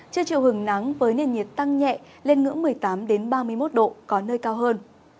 chưa chiều hứng nắng với nền nhiệt tăng nhẹ lên ngưỡng một mươi tám ba mươi một độ có nơi cao hơn